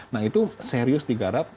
nah itu serius digarap